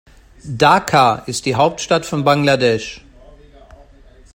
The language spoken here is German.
Dhaka ist die Hauptstadt von Bangladesch.